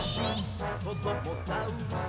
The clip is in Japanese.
「こどもザウルス